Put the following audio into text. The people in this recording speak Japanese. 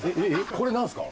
これ何すか。